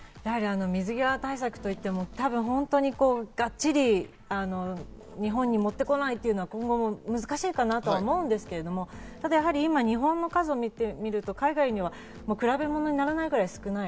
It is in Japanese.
水際対策といっても、がっちり日本に持ってこないというのは難しいかなと思うんですけど、今、日本の数を見てみると、海外に比べると比べ物にならないくらい少ない。